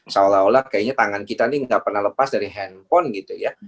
seolah olah kayaknya tangan kita nih nggak pernah lepas dari handphone gitu ya